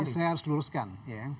jadi saya harus luruskan ya